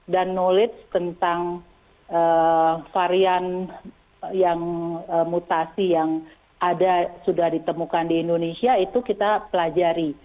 dan knowledge tentang varian yang mutasi yang ada sudah ditemukan di indonesia itu kita pelajari